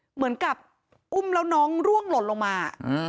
เหมือนกับอุ้มแล้วน้องร่วงหล่นลงมา